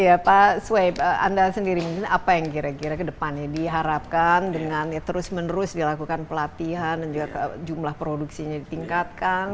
iya pak swaib anda sendiri mungkin apa yang kira kira ke depannya diharapkan dengan ya terus menerus dilakukan pelatihan dan juga jumlah produksinya ditingkatkan